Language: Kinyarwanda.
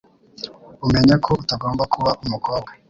umenye ko utagomba kuba umukobwa